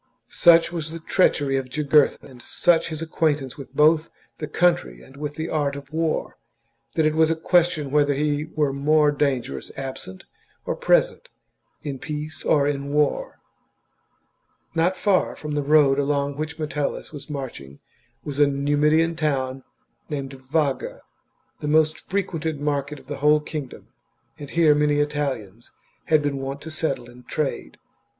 Such was the treachery of Jugurtha and such his acquaintance both with the country and with the art of war, that it was a question whether he were more dangerous absent or present, in peace or in war. Not far from the road along which Metellus was chap. marching was a Numidian town named Vaga, the most frequented market of the whole kingdom ; and here many Italians had been wont to settle and trade.